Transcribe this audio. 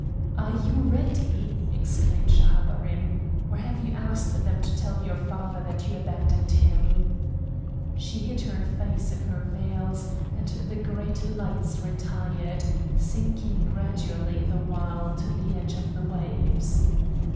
"Are you ready?" exclaimed Schahabarim, "or have you asked them to tell your father that you abandoned him?" She hid her face in her veils, and the great lights retired, sinking gradually the while to the edge of the waves.